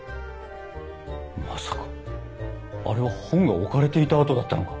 まさかあれは本が置かれていた跡だったのか。